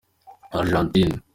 Argentine.